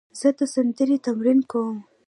زه د سندرې تمرین کوم.